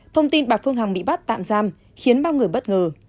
thông tin bà phương hằng bị bắt tạm giam khiến ba người bất ngờ